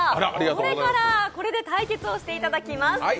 これから、これで対決をしていただきます。